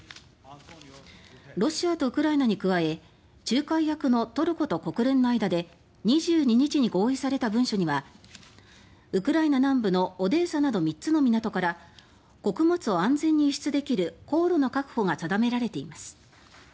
ロシアとウクライナに加え仲介役のトルコと国連の間で２２日に合意された文書にはウクライナ南部のオデーサなど３つの港から穀物を安全に輸出できる航路の確保が定められています。